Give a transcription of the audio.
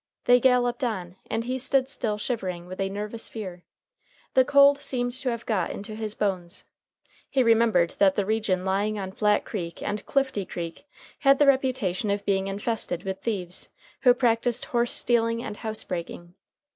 They galloped on, and he stood still shivering with a nervous fear. The cold seemed to have got into his bones. He remembered that the region lying on Flat Creek and Clifty Creek had the reputation of being infested with thieves, who practiced horse stealing and house breaking.